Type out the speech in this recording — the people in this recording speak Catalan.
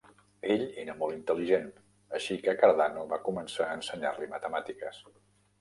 Ell era molt intel·ligent, així que Cardano va començar a ensenyar-li matemàtiques.